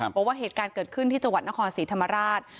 บอกว่าเหตุการณ์เกิดขึ้นที่จังหวัดนครศรีธรรมราช